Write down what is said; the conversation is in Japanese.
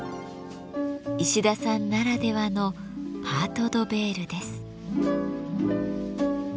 石田さんならではのパート・ド・ヴェールです。